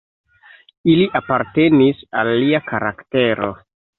Ili apartenis al lia karaktero.